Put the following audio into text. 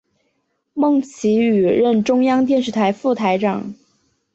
孟启予任中央电视台副台长。